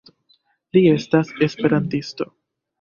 Li estas esperantisto